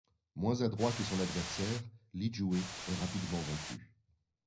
Moins adroit que son adversaire, Li Jue est rapidement vaincu.